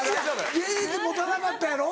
現役持たなかったやろ？